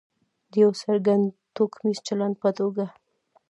د یو څرګند توکمیز چلند په توګه.